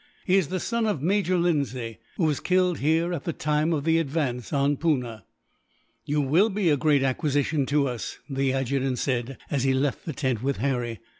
He is the son of Major Lindsay, who was killed here at the time of the advance on Poona." "You will be a great acquisition to us," the adjutant said, as he left the tent with Harry.